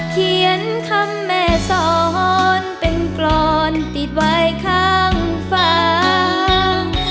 เขียนคำแม่สอนเป็นกรอนติดไว้ข้างฟ้าง